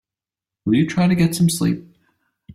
Will you try to get some sleep?